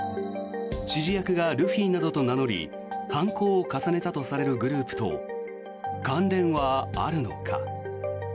指示役がルフィなどと名乗り犯行を重ねたグループと関連はあるのか。